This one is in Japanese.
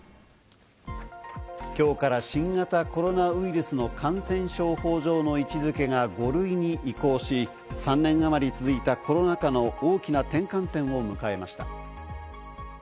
今日から新型コロナウイルスの感染症法上の位置付けが５類に移行し、３年あまり続いたコロナ禍の大きな転換点を迎えました。